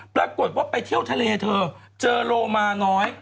ปรากฏว่าไปเที่ยวทะเลเธอเจอโลมาน้อย